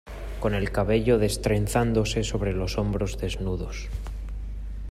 con el cabello destrenzándose sobre los hombros desnudos